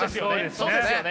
そうですよね。